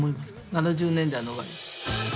７０年代の終わり。